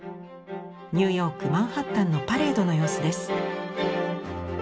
ニューヨークマンハッタンのパレードの様子です。